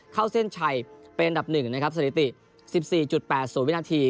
เข้าเส้นชัยเป็นอันดับ๑นะครับสถิติ๑๔๘๐วินาที